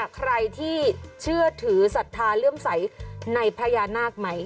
ใครที่เชื่อถือศรัทธาเลื่อมใสในพญานาคไหม